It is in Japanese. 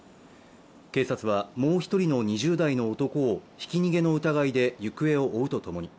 警察は、もう１人の２０代の男をひき逃げの疑いで行方を追うとともに